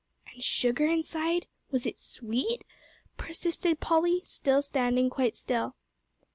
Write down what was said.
"And sugar inside was it sweet?" persisted Polly, still standing quite still.